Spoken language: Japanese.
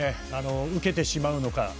受けてしまうのか。